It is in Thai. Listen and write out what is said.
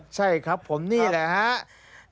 ใช่ครับผมนี่แหละครับ